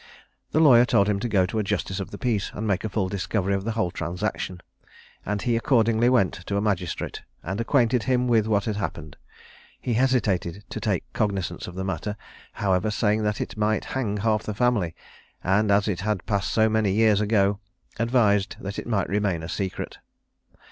The lawyer told him to go to a justice of the peace and make a full discovery of the whole transaction; and he accordingly went to a magistrate, and acquainted him with what had happened. He hesitated to take cognizance of the matter, however, saying that it might hang half the family; and as it had passed so many years ago, advised that it might remain a secret.